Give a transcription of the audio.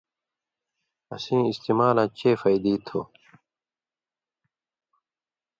اسیں استعمالاں چے فَیدی تھو۔